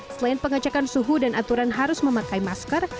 selain pengecekan suhu dan aturan harus memakai masker